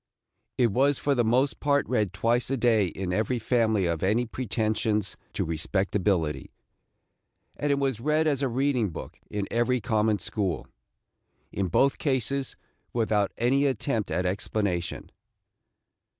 It was for the most part read twice a day in every family of any pretensions to respectability, and it was read as a reading book in every common school, – in both cases without any attempt at explanation.